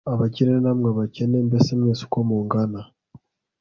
abakire namwe abakene, mbese mwese uko mungana